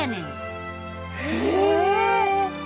へえ！